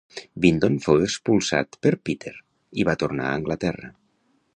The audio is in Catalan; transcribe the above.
Bindon fou expulsat per Peter i va tornar a Anglaterra.